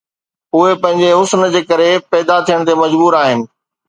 اهي پنهنجي حسن جي ڪري پيدا ٿيڻ تي مجبور آهن